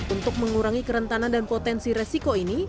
untuk mengurangi kerentanan dan potensi resiko ini